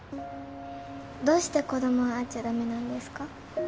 どうして子供は会っちゃ駄目なんですか？